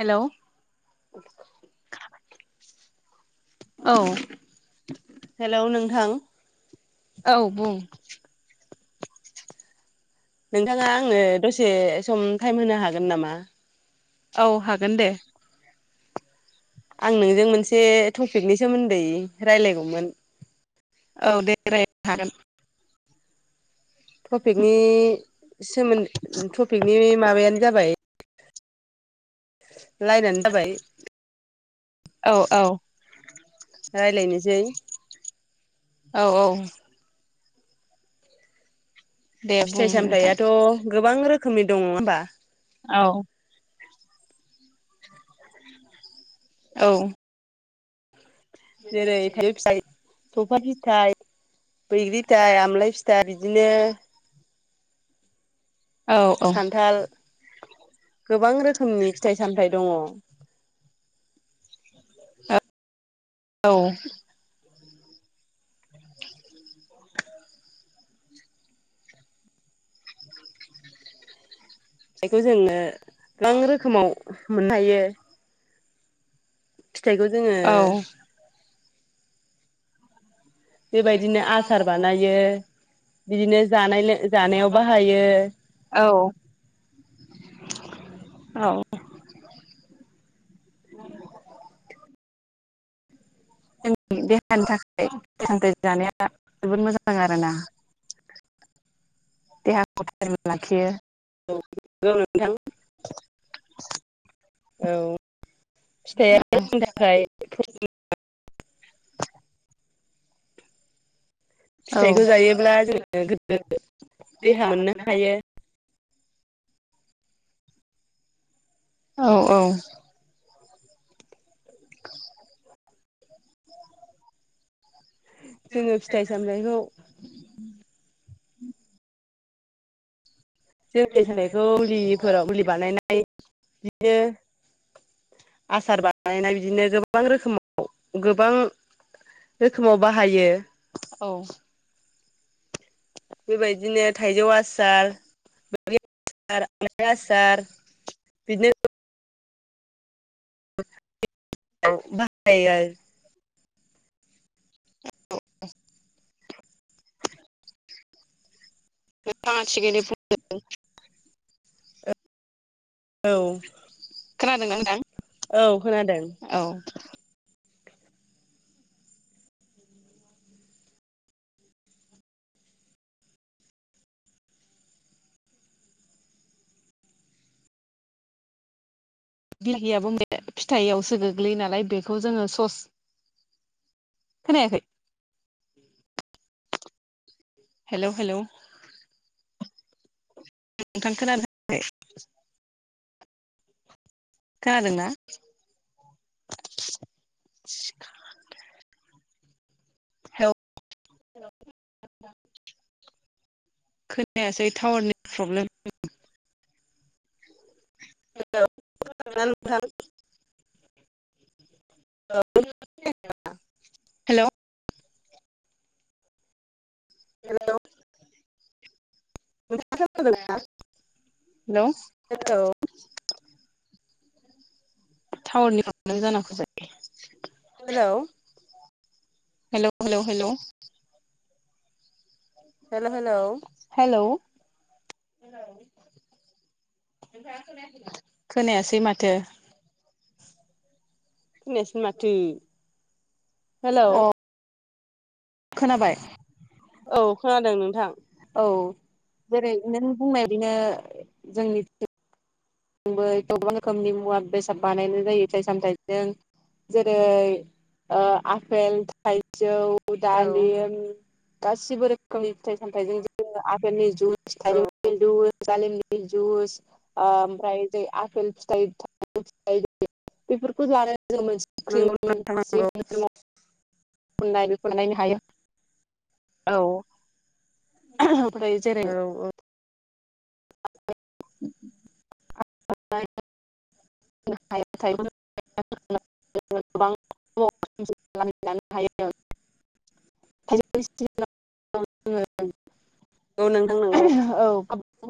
Hello औ hello नोंथां। औ बुं। नोंथाङा आंनो दसे सम टाइम होनो हागोन नामा? औ हागोन दे। आं नोंजों मोनसे टपिकनि सोमोन्दै रायज्लायगौमोन। औ दे रायलायनो हागोन। टपिकनि सोमोनदै, टपिकनि माबायानो जाबाय लाइनानो जाबाय औ औ। रायलायनोसै औ औ दे बुं फिथाइ नोंथां सामथाइआथ' गोबां रोखोमनि दङ होनबा? औ औ जेरै थाइजौ फिथाइ सौफा फिथाइ बैग्रि फिथाइ, आमलाय फिथाइ बिदिनो औ खान्थाल गोबां रोखोमनि फिथाइ सामथाइ दङ औ फिथायखौ जोङो गोबां रोखोमाव मोननो हायो फिथाइखौ जोङो औ बेबायदिनो आसार बानायो बिदिनो जानायों जानायाव बाहायो औ औ जोंनि देहानि थाखाय [unintelligible] जानाया जोबोद मोजां आरोना देहाखौ फोथना [unintelligible] लाखियो औ औ नोंथां औ फिथाइआ आंनि थाखाय फ औ फिथाइखौ जायोब्ला जोङो गोदो देहा मोननो हायो औ औ [inaudible] जोङो फिथाइ दस सामथाइखौ [unintelligible] [unintelligible] जों सानायखौ लिफोराव [unintelligible] उलि बानायनाय बिदिनो आसार बानायनाय बिदिनो गोबां रोखोमाव गोबां रोखोमाव बाहायो [unintelligible] औ बेबायदिनो थाइजौ आसार [unintelligible] आसार आमाइ आसार बिदिनो बाहाय [unintelligible] औ नोंथाङा थिगयैनो फो औ खोनादोंंना नोंथां औ खोनादों औ बिलाहियाबो फिथायाइआवसो गोग्लैयो नालाय बेखौ जोङो सस खोनायाखै हेल' हेल' नोंथां खोनानो खादों ना [unintelligible] खोनायासै टावारनि प्रब्लेम आ [unintelligible] खोनादों ना नोंथां [unintelligible] हेल' हेल' [unintelligible] हेल' हेल' टावारनि प्रब्लेम जाना फैबाय हेलौ हेल' हेल' हेल' हेल' हेलौ [unintelligible] हेल' [unintelligible] खोनायासै माथो खोनायासै माथो हेल' अ खोनाबाय औ खोनादों नोंथां औ जेरै नों बुंनाय बिदिनो जोंनि जोंबो गोबां रोखोमनि मुवा बेसाद बानायनाय जायो फिथाइ सामथाइजों जेरै आपेल थाइजौ औ उदालिम गासिबो रोखोमनि फिथाइ सामथजों जोङो आपेलनि जु औ फिथाइनि जुस डालिमनि जुस ओ ओमफ्राय ज आफेल फिथाइ थ फिथ बेफोरखौ लानानै जों मोनसे नंगौ नोंथां नंगौ क्रिम [unintelligible] [inaudible] औ ओमफ्राय जेरै औ औ [unintelligible] [inaudible] [unintelligible] [inaudible] [unintelligible] [inaudible] [unintelligible] औ नोंथां नंगौ औ।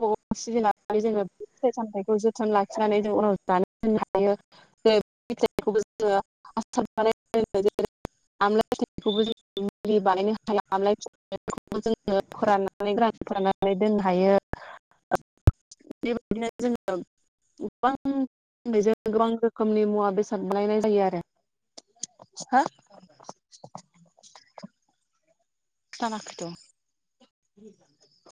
बाव सिबिनानै जोङो फिथाइ सामथाइखौ जोथोन लाखिनानै जों उनाव जानानै दोननो हायो। [unintelligible] [inaudible] [unintelligible] [inaudible] मुलि बानायनो हायो आमलाय फिथायखौबो जोङो फोराननानै गोरानन फोराननानै दोननो हायो। बेबायदिनो जोङो गोबां बेजों गोबां रोखोमनि मुवा बेसाद लायनाय जायो आरो। हा दानाखैथ'। [unintelligible] [inaudible]